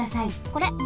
これ。